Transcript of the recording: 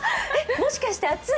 もしかして熱い？